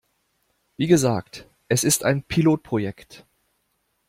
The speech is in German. Wie gesagt, es ist ein Pilotprojekt.